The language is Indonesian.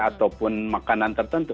ataupun makanan tertentu